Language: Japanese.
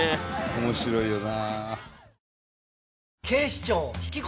面白いよな。